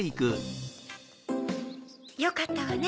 よかったわね